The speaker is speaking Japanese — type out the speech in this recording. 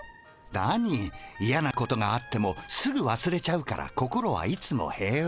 なにイヤなことがあってもすぐわすれちゃうから心はいつも平和。